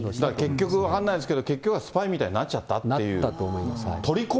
結局、分かんないんですけど、結局はスパイみたいになっちゃっなったと思いますね。